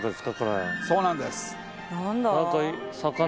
そうなんです。